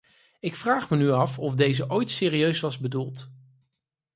Ik vraag me nu af of deze ooit serieus was bedoeld.